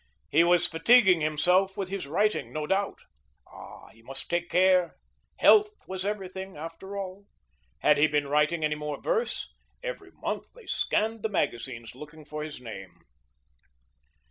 He was fatiguing himself with his writing, no doubt. Ah, he must take care. Health was everything, after all. Had he been writing any more verse? Every month they scanned the magazines, looking for his name.